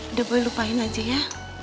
udah boleh lupain aja ya